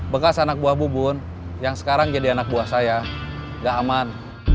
bekas anak buah bubun yang sekarang jadi anak buah saya gak aman